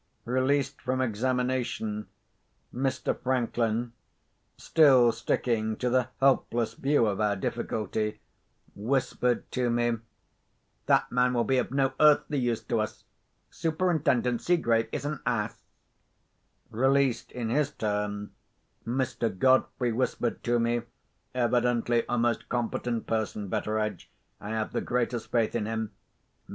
Released from examination, Mr. Franklin, still sticking to the helpless view of our difficulty, whispered to me: "That man will be of no earthly use to us. Superintendent Seegrave is an ass." Released in his turn, Mr. Godfrey whispered to me—"Evidently a most competent person. Betteredge, I have the greatest faith in him!"